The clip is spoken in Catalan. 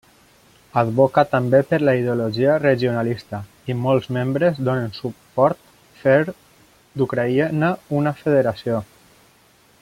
Advoca també per la ideologia regionalista, i molts membres donen suport fer d'Ucraïna una federació.